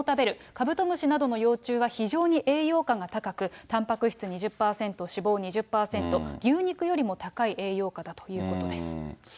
カブトムシなどの幼虫が非常に栄養価が高く、たんぱく質２０％、脂肪２０％、牛肉よりも高い栄養価だということです。